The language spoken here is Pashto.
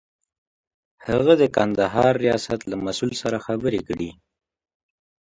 هغه د کندهار ریاست له مسئول سره خبرې کړې.